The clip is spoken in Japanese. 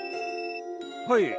はい。